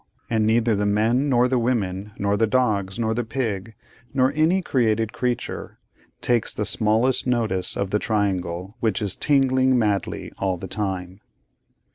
'; and neither the men, nor the women, nor the dogs, nor the pig, nor any created creature, takes the smallest notice of the triangle, which is tingling madly all the time.